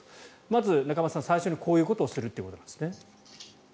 まず仲正さん最初にこういうことをするということですね。